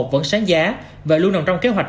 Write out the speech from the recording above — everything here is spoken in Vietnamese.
vẫn sáng giá và luôn nằm trong kế hoạch